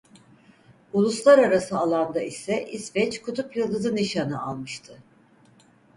Uluslararası alanda ise İsveç Kutup Yıldızı Nişanı almıştı.